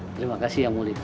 terima kasih yang mulia